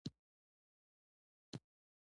ایم ایل اې هر کال یوه لویه نړیواله غونډه جوړوي.